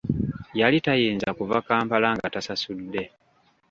Yali tayinza kuva Kampala nga tasasudde.